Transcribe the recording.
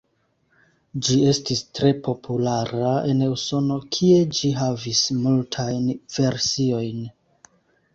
Ĝi estis tre populara en Usono, kie ĝi havis multajn versiojn.